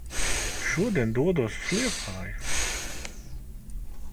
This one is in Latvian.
Šodien dodos uz Liepāju.